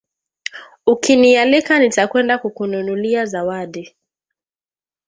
Ukinialika nitakwenda kukununulia zawadi